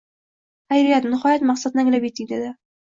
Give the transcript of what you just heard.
— Xayriyat, nihoyat maqsadni anglab yetding, — dedi